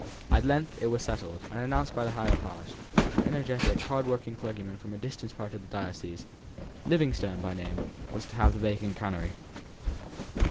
At length it was settled, and announced by the higher powers. An energetic, hard working clergyman from a distant part of the diocese, Livingstone by name, was to have the vacant canonry.